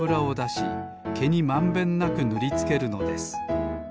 しけにまんべんなくぬりつけるのです。